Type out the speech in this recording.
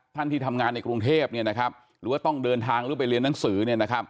ที่ทำงานในกรุงเทพหรือว่าต้องเดินทางหรือไปเรียนหนังสือ